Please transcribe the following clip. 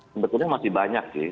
sebetulnya masih banyak sih